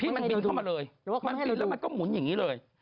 มันบินเข้ามาเลยมันบินแล้วมันก็หมุนอย่างนี้เลย